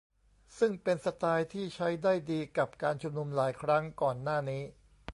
ซึ่งเป็นสไตล์ที่ใช้ได้ดีกับการชุมนุมหลายครั้งก่อนหน้านี้